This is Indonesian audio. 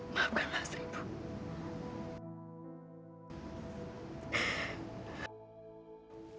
maafkan lastri ibu